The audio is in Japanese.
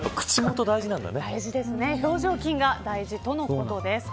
表情筋が大事とのことです。